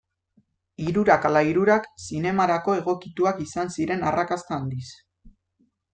Hirurak ala hirurak zinemarako egokituak izan ziren arrakasta handiz.